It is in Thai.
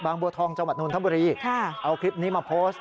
บางบัวทองจังหวัดนุนธรรมบุรีเอาคลิปนี้มาโพสต์